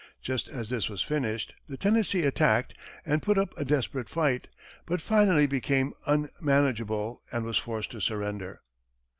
Just as this was finished, the Tennessee attacked, and put up a desperate fight, but finally became unmanageable and was forced to surrender.